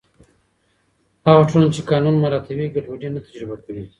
هغه ټولنه چې قانون مراعتوي، ګډوډي نه تجربه کوي.